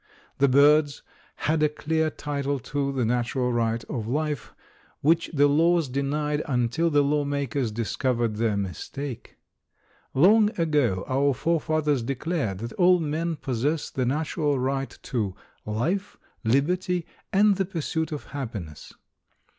The birds had a clear title to the natural right of life, which the laws denied until the lawmakers discovered their mistake. Long ago our forefathers declared that all men possess the natural right to "Life Liberty and the Pursuit of Happiness."